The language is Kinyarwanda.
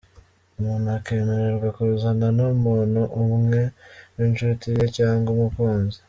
Umuntu akemererwa kuzana n’umuntu umwe w’inshuti ye cyangwa umukunzi.